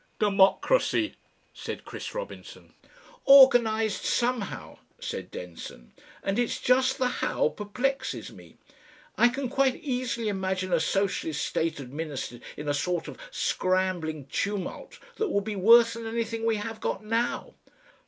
"Democracy," said Chris Robinson. "Organised somehow," said Denson. "And it's just the How perplexes me. I can quite easily imagine a socialist state administered in a sort of scrambling tumult that would be worse than anything we have got now.